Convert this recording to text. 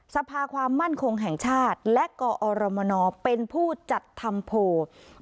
สภาความมั่นคงแห่งชาติและกอรมนเป็นผู้จัดทำโพล